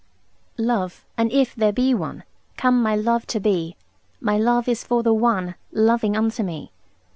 Love, an if there be one, Come my love to be, My love is for the one Loving unto me.